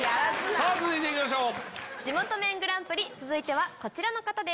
さぁ続いていきましょう。